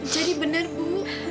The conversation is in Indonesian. jadi benar bu